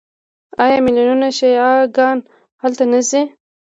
آیا میلیونونه شیعه ګان هلته نه ځي؟